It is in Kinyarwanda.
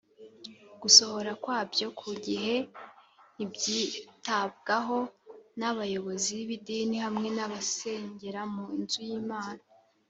gusohora kwabyo ku gihe ntibyitabwaho n’abayobozi b’idini, hamwe n’abasengera mu nzu y’Imana